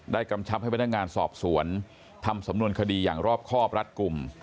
กำชับให้พนักงานสอบสวนทำสำนวนคดีอย่างรอบครอบรัดกลุ่ม